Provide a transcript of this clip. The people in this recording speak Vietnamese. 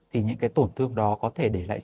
thì những cái tổn thương đó có thể để lại